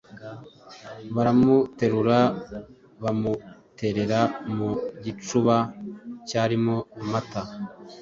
baramuterura bamuterera mu gicuba cyarimo amata